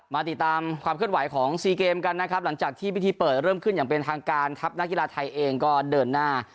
มาติดตามความเคลื่อนไหวของซีเกมกันนะครับหลังจากที่พิธีเปิดเริ่มขึ้นอย่างเป็นทางการทัพนักกีฬาไทยเองก็เดินหน้า